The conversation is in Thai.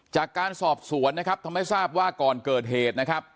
จากการสอบสวนนะครับทำให้ทราบว่าก่อนเกิดเหตุนะครับ